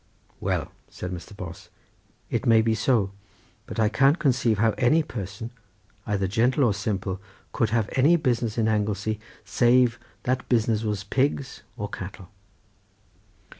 "Well," said Mr. Bos, "it may be so, but I can't conceive how any person, either gentle or simple, could have any business in Anglesey save that business was pigs or cattle."